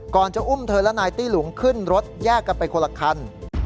จะอุ้มเธอและนายตี้หลุงขึ้นรถแยกกันไปคนละคัน